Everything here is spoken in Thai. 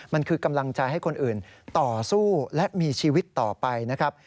มันคือกำลังใจให้คนอื่นต่อสู้และมีชีวิตต่อไปนะครับ